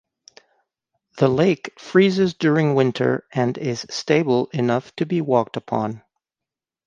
The lake freezes during winter and is stable enough to be walked upon.